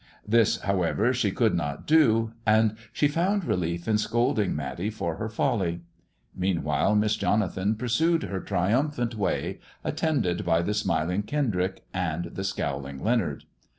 This, however, she could not do, and she found relief in scolding Matty for her folly. Meanwhile, Miss Jonathan pursued her triumphant way, attended bj the smiling Kendrick and the scowling Leonard.